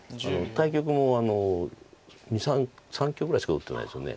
対局も３局ぐらいしか打ってないですよね。